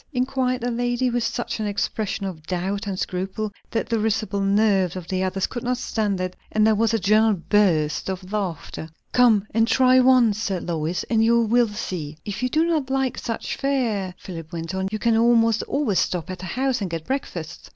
_" enquired the lady, with such an expression of doubt and scruple that the risible nerves of the others could not stand it, and there was a general burst of laughter. "Come and try once," said Lois, "and you will see." "If you do not like such fare," Philip went on, "you can almost always stop at a house and get breakfast."